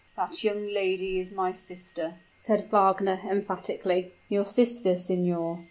"That young lady is my sister," said Wagner, emphatically. "Your sister, signor!